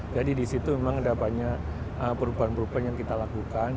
jadi di situ memang ada banyak perubahan perubahan yang kita lakukan